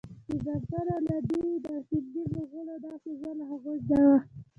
د بابر اولادې او هندي مغولو دا سزا له هغوی زده وه.